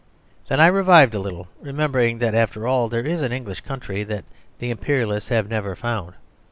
Then I revived a little, remembering that after all there is an English country that the Imperialists have never found.